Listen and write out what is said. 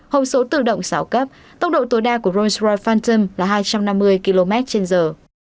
hộp số tự động sáu cấp tốc độ tối đa của rolls royce phantom là hai trăm năm mươi km trên giờ